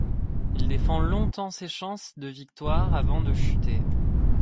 Il défend longtemps ses chances de victoire avant de chuter.